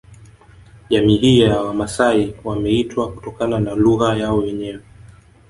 Jamii hii ya Wamasai wameitwa kutokana na lugha yao wenyewe